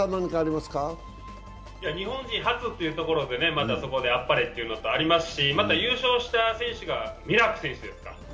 日本人初というところであっぱれということもありますし優勝した選手がミラーク選手ですか。